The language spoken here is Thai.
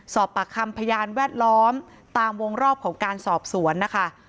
สอบปากคำพยานแวดล้อมตามวงรอบของการสอบสวนนะคะ